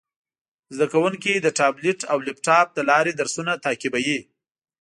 زده کوونکي د ټابلیټ او لپټاپ له لارې درسونه تعقیبوي.